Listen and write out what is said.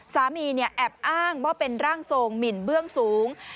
แอบอ้างว่าเป็นร่างทรงหมินเบื้องสูง